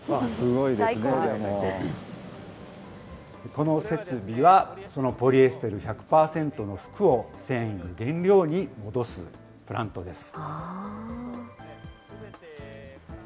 この設備はそのポリエステル１００％の服を繊維の原料に戻すプラントです。